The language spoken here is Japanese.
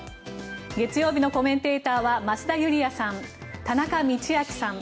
月曜のコメンテーターは増田ユリヤさん、田中道昭さん。